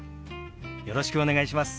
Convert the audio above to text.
よろしくお願いします。